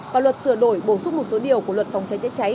và luật sửa đổi bổ sung một số điều của luật phòng cháy chữa cháy